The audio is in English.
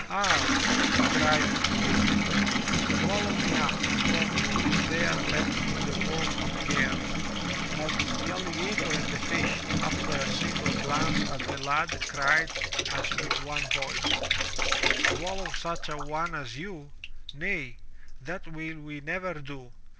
"Ah," he cried to the two, "swallow me up, for who is there left in the world to care?" But the alligator and the fish, after a single glance at the lad, cried, as with one voice: "Swallow such a one as you? Nay! that will we never do!